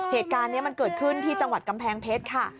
เหตุการณ์นี้มันเกิดขึ้นที่จังหวัดกำแพงเพชรค่ะ